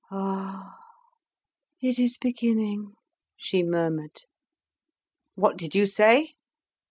"Ah! it is beginning," she murmured. "What did you say?"